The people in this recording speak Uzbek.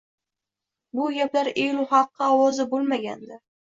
Bu gaplar elu xalqqa ovoza bo`lmagandi